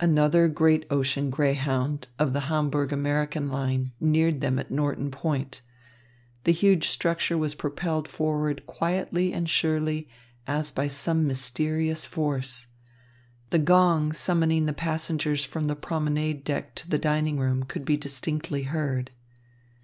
Another great ocean greyhound, of the Hamburg American line, neared them at Norton Point. The huge structure was propelled forward quietly and surely, as by some mysterious force. The gong summoning the passengers from the promenade deck to the dining room could be distinctly heard.